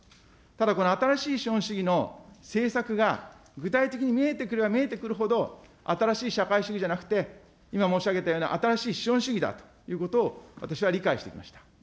ただこの新しい資本主義の政策が具体的に見えてくれば見えてくるほど、新しい社会主義じゃなくて、今申したような新しい資本主義たということを私は理解しておりました。